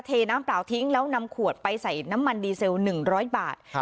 เทน้ำเปล่าทิ้งแล้วนำขวดไปใส่น้ำมันดีเซล๑๐๐บาท